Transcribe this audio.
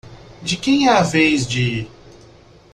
De quem é a vez de?